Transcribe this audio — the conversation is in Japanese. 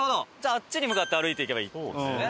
あっちに向かって歩いていけばいいって事ですよね。